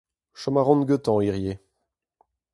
Chom a ran gantañ hiziv.